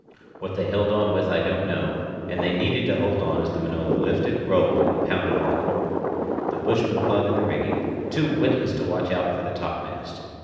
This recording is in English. What they held on with I don't know, and they needed to hold on as the Minota lifted, rolled, and pounded on the coral. The bushmen clung in the rigging, too witless to watch out for the topmast.